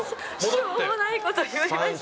しょうもないこと言いました。